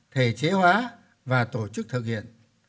thể chế hóa và tổ chức thực hiện